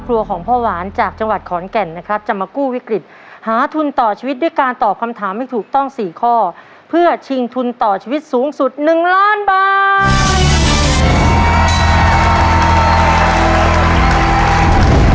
ของพ่อหวานจากจังหวัดขอนแก่นนะครับจะมากู้วิกฤตหาทุนต่อชีวิตด้วยการตอบคำถามให้ถูกต้องสี่ข้อเพื่อชิงทุนต่อชีวิตสูงสุด๑ล้านบาท